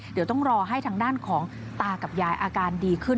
เดี๋ยวต้องรอให้ทางด้านของตากับยายอาการดีขึ้น